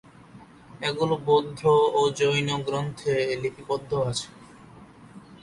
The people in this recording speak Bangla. এগুলো বৌদ্ধ ও জৈন গ্রন্থে লিপিবদ্ধ আছে।